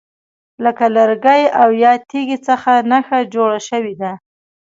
لکه له لرګي او یا تیږي څخه نښه جوړه شوې ده.